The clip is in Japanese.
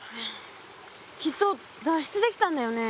きっと脱出できたんだよね？